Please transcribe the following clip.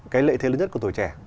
cái lệ thiết lớn nhất của tuổi trẻ